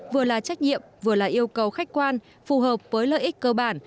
vừa là trách nhiệm vừa là yêu cầu khách quan phù hợp với lợi ích cơ bản